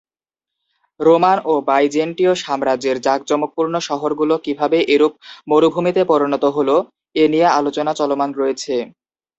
Roman ও বাইজেন্টীয় সাম্রাজ্যের জাঁকজমকপূর্ণ শহরগুলো কীভাবে এরূপ মরুভূমিতে পরিণত হলো, এ নিয়ে আলোচনা চলমান রয়েছে।